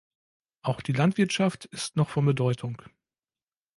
Auch die Landwirtschaft ist noch von Bedeutung.